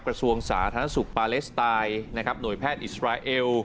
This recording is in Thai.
กระทรวงสาธารณสุขปาเลสไตน์นะครับหน่วยแพทย์อิสราเอล